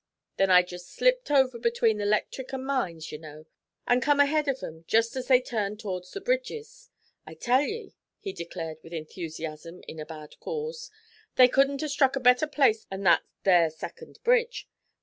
Then I jest slipped over between the 'Lectric an' Mines, ye know, and come ahead of 'em jest as they turned to'rds the bridges. I tell ye,' he declared with enthusiasm in a bad cause, they couldn't 'a' struck a better place 'an that there second bridge!